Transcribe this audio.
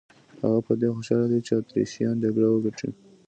هغه په دې خوشاله دی چې اتریشیان جګړه وګټي.